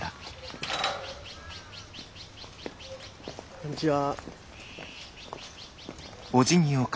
こんにちは。